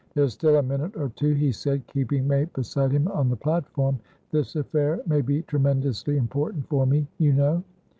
"There's still a minute or two," he said, keeping May beside him on the platform. "This affair may be tremendously important for me, you know."